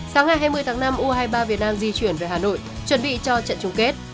sáng ngày hai mươi tháng năm u hai mươi ba việt nam di chuyển về hà nội chuẩn bị cho trận chung kết